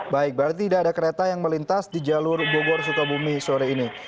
baik berarti tidak ada kereta yang melintas di jalur bogor sukabumi sore ini